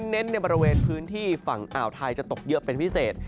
เน้นในบริเวณพื้นที่ฝั่งอ่าวไทยจะตกเยอะเป็นพิเศษ